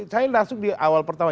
saya masuk di awal pertama